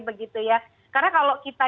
begitu ya karena kalau kita